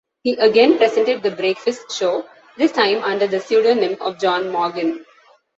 He again presented the breakfast show, this time under the pseudonym of John Morgan.